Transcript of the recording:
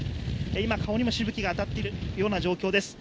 今、顔にもしぶきが当たっているような状況です。